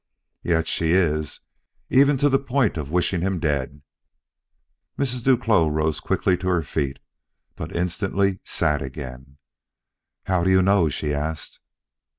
"Yet she is even to the point of wishing him dead." Mrs. Duclos rose quickly to her feet, but instantly sat again. "How do you know?" she asked.